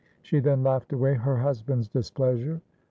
' She then laughed away her husband's displeasure.